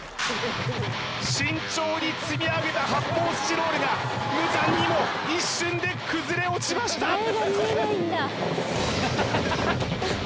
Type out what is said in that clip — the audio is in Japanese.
慎重に積み上げた発泡スチロールが無残にも一瞬で崩れ落ちました！